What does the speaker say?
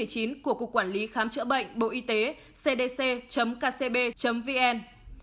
của cục quản lý khám chữa bệnh bộ y tế cdc kcb vn